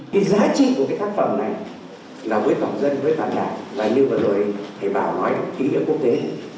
cái giá trị của cái tác phẩm này là với tổng dân với tổng đảng là như vừa rồi thầy bảo nói kỹ ở quốc tế